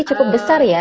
cukup besar ya